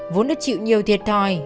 vốn đã chịu nhiều thiệt thòi